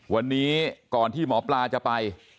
วันนี้ก่อนที่หมอปลาจะไป